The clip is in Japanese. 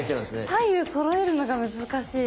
左右そろえるのが難しい。